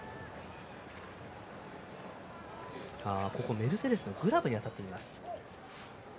メルセデスのグラブに当たっています。